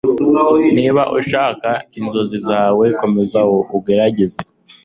Niba ushaka gukora inzozi zawe komeza ugerageze